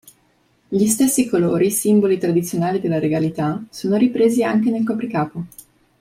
Gli stessi colori, simboli tradizionali della regalità, sono ripresi anche nel copricapo.